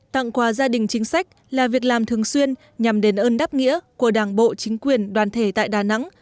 tặng quà gia đình chính sách là việc làm thường xuyên nhằm đền ơn đáp nghĩa của đảng bộ chính quyền đoàn thể tại đà nẵng